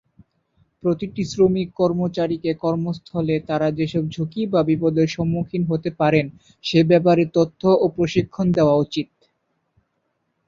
প্রতিটি শ্রমিক-কর্মচারীকে কর্মস্থলে তারা যেসব ঝুঁকি বা বিপদের সম্মুখীন হতে পারেন, সে ব্যাপারে তথ্য ও প্রশিক্ষণ দেওয়া উচিত।